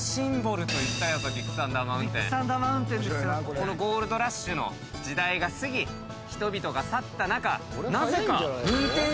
このゴールドラッシュの時代が過ぎ人々が去った中。